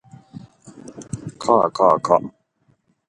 かあかあかあか